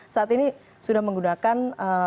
saat ini sudah menggunakan